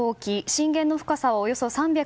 震源の深さはおよそ３５０ｋｍ。